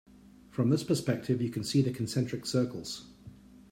From this perspective you can see the concentric circles.